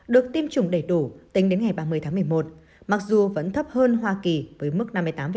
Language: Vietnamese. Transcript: được tiêm chủng đầy đủ tính đến ngày ba mươi tháng một mươi một mặc dù vẫn thấp hơn hoa kỳ với mức năm mươi tám